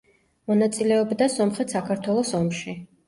მონაწილეობდა სომხეთ-საქართველოს ომში.